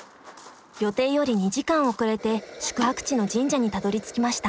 予定より２時間遅れて宿泊地の神社にたどりつきました。